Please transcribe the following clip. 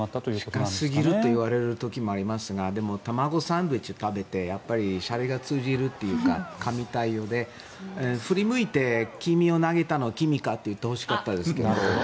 近すぎると言われる時もありますがでも、卵サンドウィッチを食べてしゃれが通じるというか神対応で振り向いて黄身を投げたのは君かって言ってほしかったですけど。